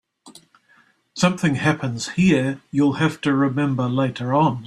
Something happens here you'll have to remember later on.